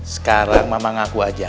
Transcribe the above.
sekarang mama ngaku aja